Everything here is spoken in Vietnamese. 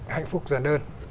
hạnh phúc giả đơn